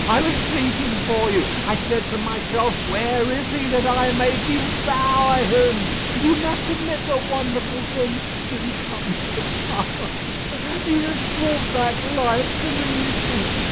I was seeking for you. I said to myself, 'Where is he, that I may devour him?' You must admit that wonderful things do come to pass. He has brought back life to me.